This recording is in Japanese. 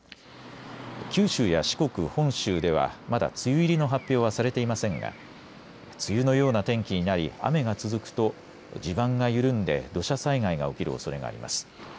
九州や四国、本州ではまだ梅雨入りの発表はされていませんが、梅雨のような天気になり雨が続くと地盤が緩んで土砂災害が起きるおそれがあります。